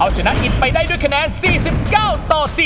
เอาชนะอิทธิ์ไปได้ด้วยคะแนน๔๙ต่อ๔๖